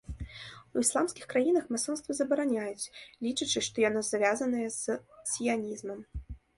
У ісламскіх краінах масонства забараняюць, лічачы, што яно звязанае з сіянізмам.